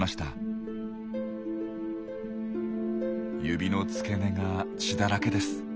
指の付け根が血だらけです。